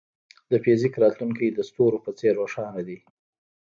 د فزیک راتلونکی د ستورو په څېر روښانه دی.